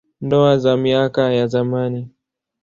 Ndoa za miaka ya zamani.